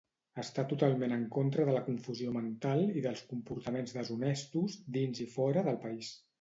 Està totalment en contra de la confusió mental i dels comportaments deshonestos, dins i fora del país.